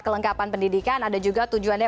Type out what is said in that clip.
kelengkapan pendidikan ada juga tujuannya